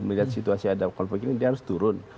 melihat situasi ada konflik ini dia harus turun